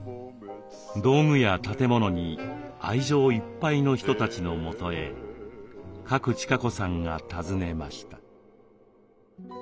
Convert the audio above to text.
道具や建物に愛情いっぱいの人たちの元へ賀来千香子さんが訪ねました。